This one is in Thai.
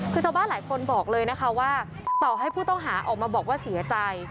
คือชาวบ้านหลายคนบอกเลยนะคะว่าต่อให้ผู้ต้องหาออกมาบอกว่าเสียใจ